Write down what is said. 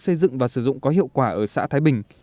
xây dựng và sử dụng có hiệu quả ở xã thái bình